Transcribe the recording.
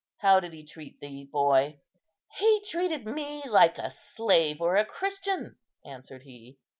How did he treat thee, boy?" "He treated me like a slave or a Christian," answered he.